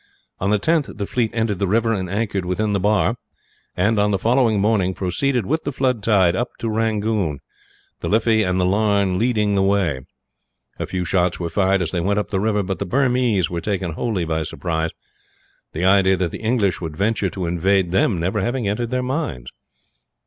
On the 10th the fleet entered the river and anchored within the bar and, on the following morning, proceeded with the flood tide up to Rangoon, the Liffey and the Larne leading the way. A few shots were fired as they went up the river; but the Burmese were taken wholly by surprise, the idea that the English would venture to invade them never having entered their minds.